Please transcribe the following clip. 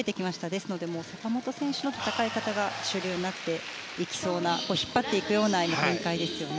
ですので坂本選手の戦い方が主流になっていきそうな引っ張っていくような展開ですよね。